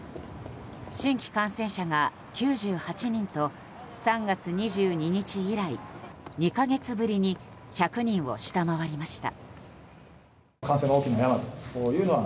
新規感染者が９８人と３月２２日以来２か月ぶりに１００人を下回りました。